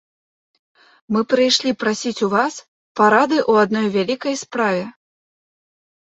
Мы прыйшлі прасіць у вас парады ў адной вялікай справе.